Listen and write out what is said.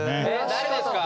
誰ですか？